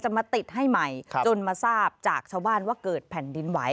มาติดให้ใหม่จนมาทราบจากชาวบ้านว่าเกิดแผ่นดินไหว